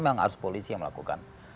memang harus polisi yang melakukan